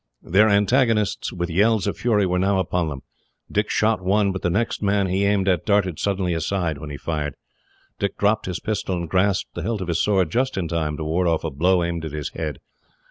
Their antagonists, with yells of fury, were now upon them. Dick shot one, but the next man he aimed at darted suddenly aside when he fired. Dick dropped his pistol, and grasped the hilt of his sword just in time to ward off a blow aimed at his head.